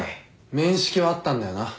面識はあったんだよな？